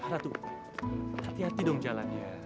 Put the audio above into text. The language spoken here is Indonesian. ratu hati hati dong jalan ya